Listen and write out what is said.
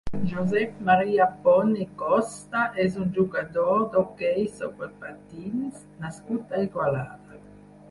Josep Maria Pont i Costa és un jugador d'hoquei sobre patins nascut a Igualada.